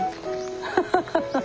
ハハハハ。